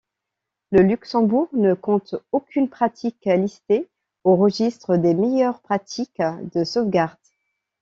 Le Luxembourg ne compte aucune pratique listée au registre des meilleures pratiques de sauvegarde.